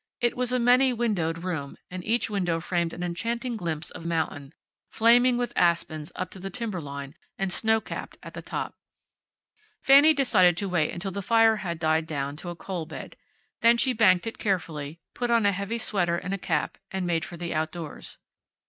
It was a many windowed room, and each window framed an enchanting glimpse of mountain, flaming with aspens up to timber line, and snow capped at the top. Fanny decided to wait until the fire had died down to a coal bed. Then she banked it carefully, put on a heavy sweater and a cap, and made for the outdoors.